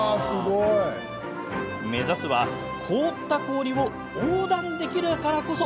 目指すは凍った氷を横断できるからこそ